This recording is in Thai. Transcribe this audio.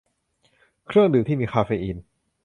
เครื่องดื่มที่มีคาเฟอีน